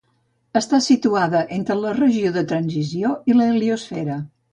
Està situada entre la regió de transició i l'heliosfera.